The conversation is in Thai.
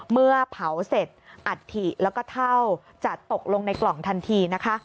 เมื่อเผาเสร็จอัฐิแล้วก็เท่าจะตกลงในกล่องทันทีนะคะ